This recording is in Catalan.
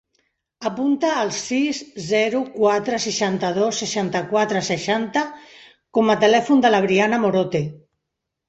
Apunta el sis, zero, quatre, seixanta-dos, seixanta-quatre, seixanta com a telèfon de la Briana Morote.